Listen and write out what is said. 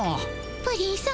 プリンさま